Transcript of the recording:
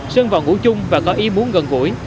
sơn vào ngũ chung và có ý muốn gần gũi